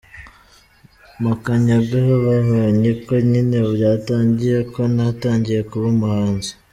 Makanyaga: Babonye ko nyine byatangiye, ko natangiye kuba umuhanzi.